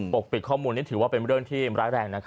กปิดข้อมูลนี่ถือว่าเป็นเรื่องที่ร้ายแรง